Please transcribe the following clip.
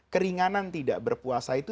keringanan tidak berpuasa itu